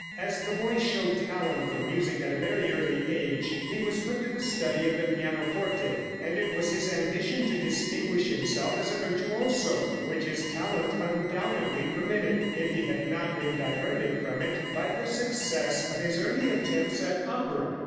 As the boy showed talent for music at a very early age, he was put to the study of the pianoforte, and it was his ambition to distinguish himself as a virtuoso, which his talent undoubtedly permitted, if he had not been diverted from it by the success of his early attempts at opera.